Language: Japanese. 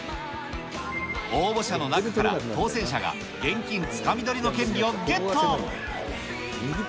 応募者の中から、当せん者が現金つかみどりの権利をゲット。